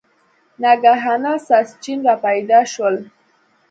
ناګهانه ساسچن را پیدا شول.